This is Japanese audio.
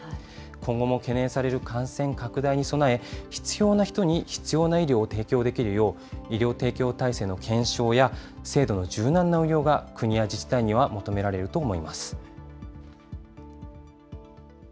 今後も懸念される感染拡大に備え、必要な人に必要な医療を提供できるよう、医療提供体制の検証や制度の柔軟な運用が、国や自治体には求められると思います。